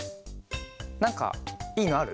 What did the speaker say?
なんかいいのある？